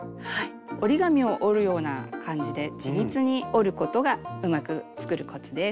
折り紙を折るような感じで緻密に折ることがうまく作るコツです。